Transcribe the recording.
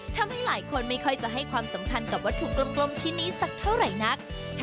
ทำให้หลายคนไม่ค่อยจะให้ความสำคัญกับวัตถุกลมชิ้นนี้สักเท่าไหร่นัก